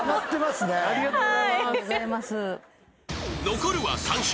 ［残るは３笑。